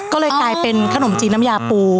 ก็เลยกลายเป็นขนมจีนน้ำยาปู